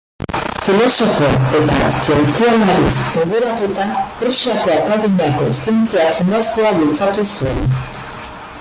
Filosofo eta zientzialariz inguratuta, Prusiako Akademiako Zientzia Fundazioa bultzatu zuen.